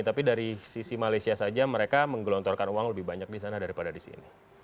tapi dari sisi malaysia saja mereka menggelontorkan uang lebih banyak di sana daripada di sini